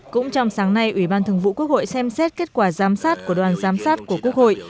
cũng trong sáng nay ủy ban thường vụ quốc hội xem xét kết quả giám sát của đoàn giám sát của quốc hội